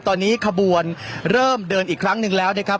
ตอนนี้ขบวนเริ่มเดินอีกครั้งหนึ่งแล้วนะครับ